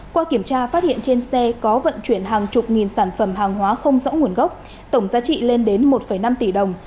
qua kiểm tra phát hiện trên xe có vận chuyển hàng chục nghìn sản phẩm hàng hóa không rõ nguồn gốc tổng giá trị lên đến một năm tỷ đồng